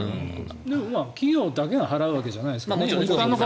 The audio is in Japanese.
企業だけが払うわけじゃないですよね。